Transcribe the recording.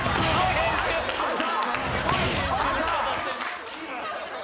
アウト。